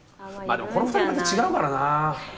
でもこの２人また違うからな。